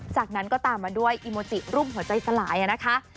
จากนั้นก็ตามมาด้วยอีโมจิรูปหัวใจสลายนะคะ